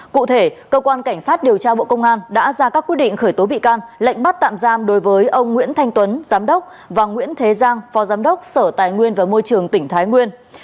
cụ thể cơ quan cảnh sát điều tra bộ công an đã ra các quyết định khởi tố bị can lệnh bắt tạm giam đối với ông nguyễn thanh tuấn giám đốc và nguyễn thế giang phó giám đốc sở tài nguyên và môi trường tỉnh thái nguyên